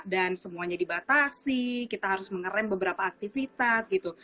dan semuanya dibatasi kita harus mengeram beberapa aktivitas gitu